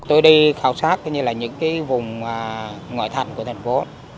tôi đi khảo sát những vùng ngoài thành của thành phố